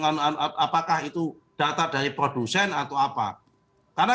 apakah itu data dari produsen atau apa karena